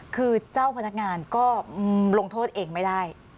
คือเจ้าพนักงานก็ลงโทษเองไม่ได้